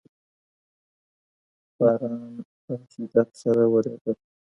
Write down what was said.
باران په شدت سره ورېده.